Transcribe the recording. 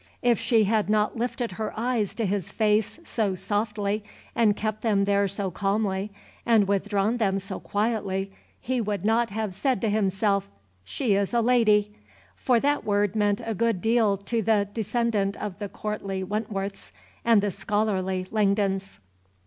If she had not lifted her eyes to his face so softly and kept them there so calmly and withdrawn them so quietly, he would not have said to himself, "She is a LADY," for that word meant a good deal to the descendant of the courtly Wentworths and the scholarly Langdons.